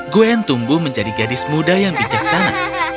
gwen tumbuh menjadi gadis muda yang bijaksana